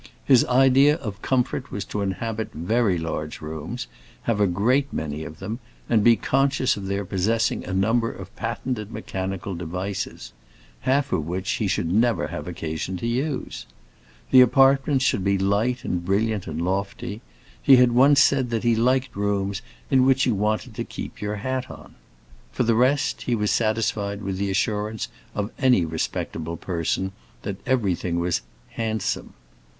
His idea of comfort was to inhabit very large rooms, have a great many of them, and be conscious of their possessing a number of patented mechanical devices—half of which he should never have occasion to use. The apartments should be light and brilliant and lofty; he had once said that he liked rooms in which you wanted to keep your hat on. For the rest, he was satisfied with the assurance of any respectable person that everything was "handsome."